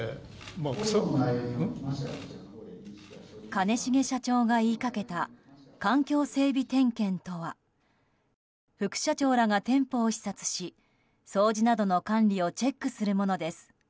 兼重社長が言いかけた環境整備点検とは副社長らが店舗を視察し掃除などの管理をチェックするものです。